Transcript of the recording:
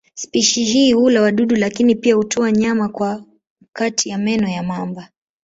Spishi hii hula wadudu lakini pia hutoa nyama kwa kati ya meno ya mamba.